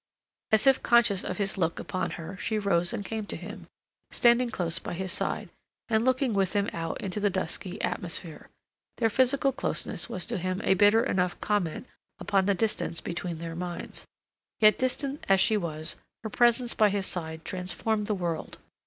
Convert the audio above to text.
As if conscious of his look upon her she rose and came to him, standing close by his side, and looking with him out into the dusky atmosphere. Their physical closeness was to him a bitter enough comment upon the distance between their minds. Yet distant as she was, her presence by his side transformed the world.